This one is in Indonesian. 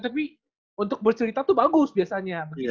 tapi untuk bercerita itu bagus biasanya